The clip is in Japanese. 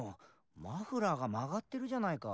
マフラーが曲がってるじゃないか。